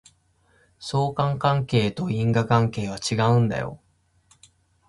相関関係と因果関係は違うんだよ